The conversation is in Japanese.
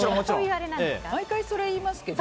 毎回それ言いますけど。